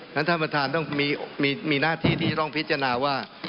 ท่านประธานต้องมีหน้าที่ที่จะต้องพิจารณาว่า